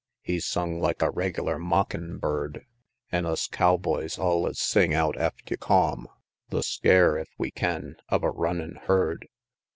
He sung like a regilar mockin' bird. An' us cowboys allus sing out ef tew calm The scare, ef we can, of a runnin' herd.